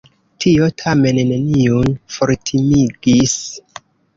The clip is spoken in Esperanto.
Tio tamen neniun fortimigis.